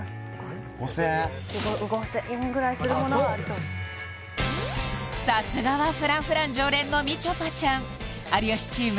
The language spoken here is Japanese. ５０００円ぐらいするものはあるとさすがはＦｒａｎｃｆｒａｎｃ常連のみちょぱちゃん有吉チーム